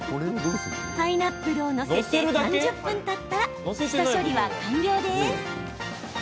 パイナップルを載せて３０分たったら下処理は完了です。